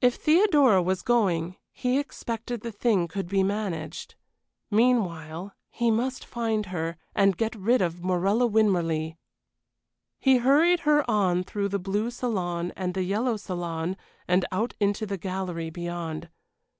If Theodora was going, he expected the thing could be managed. Meanwhile, he must find her, and get rid of Morella Winmarleigh. He hurried her on through the blue salon and the yellow salon and out into the gallery beyond.